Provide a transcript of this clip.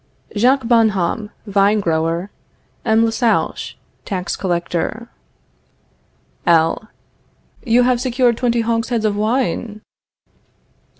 JACQUES BONHOMME, Vine grower. M. LASOUCHE, Tax Collector. L. You have secured twenty hogsheads of wine?